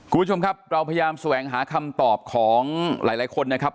คุณผู้ชมครับเราพยายามแสวงหาคำตอบของหลายคนนะครับ